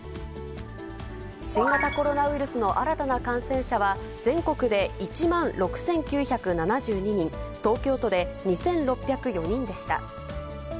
新型コロナウイルスの新たな感染者は、全国で１万６９７２人、東京都で２６０４人でした。